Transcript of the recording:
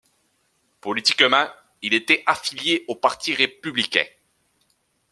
Politiquement, il était affilié au Parti républicain.